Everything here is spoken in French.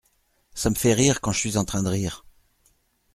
Ça me fait rire quand je suis en train de rire !